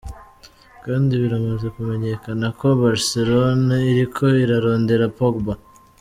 Kandi biramaze kumenyekana ko Barcelone iriko irarondera Pogba.